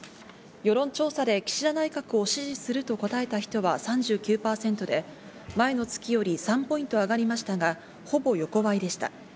世論調査で岸田内閣を支持すると答えた人は３９％で前の月より３ポイント上がりましたが、ほぼ横ばいでした。